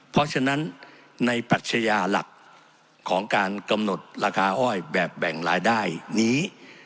เพราะฉะนั้นในปัชญาหลักของการกำหนดราคาอ้อยแบบแบ่งรายได้นี้